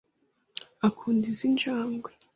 Akunda izi njangwe.